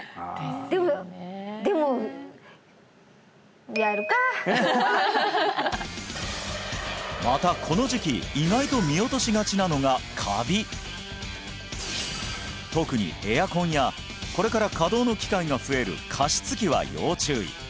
でもでもやるか今日はまたこの時期意外と見落としがちなのがカビ特にエアコンやこれから稼働の機会が増える加湿器は要注意！